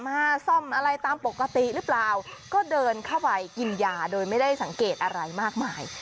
มาซ่อมอะไรตามปกติหรือเปล่าก็เดินเข้าไปกินยาโดยไม่ได้สังเกตอะไรมากมาย